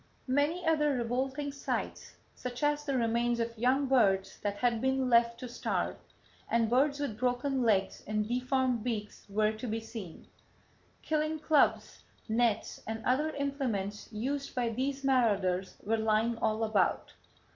"Many other revolting sights, such as the remains of young birds that had been left to starve, and birds with broken legs and deformed beaks were to be seen. Killing clubs, nets and other implements used by these marauders were lying all about.